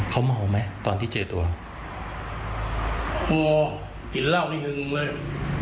เขาเมาไหมตอนที่เจอตัวกินเล่านี่หึงเลย